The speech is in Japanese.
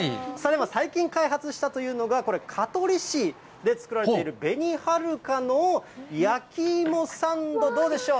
最近開発したというのが、香取市で作られている紅はるかの焼き芋サンド、どうでしょう？